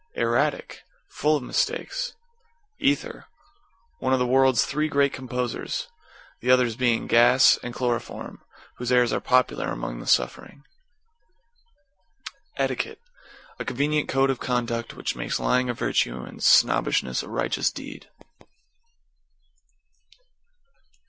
=ERRATIC= Full of mistakes. =ETHER= One of the world's three great composers the others being Gas and Chloroform whose airs are popular among the suffering. =ETIQUETTE= A convenient code of conduct which makes Lying a virtue and Snobbishness a righteous deed.